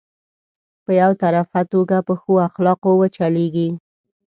په يو طرفه توګه په ښو اخلاقو وچلېږي.